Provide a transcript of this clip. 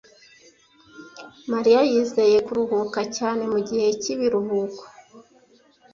Mariya yizeye kuruhuka cyane mugihe cyibiruhuko.